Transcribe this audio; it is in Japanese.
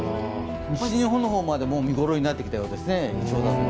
西日本の方まで見頃になってきたようですね。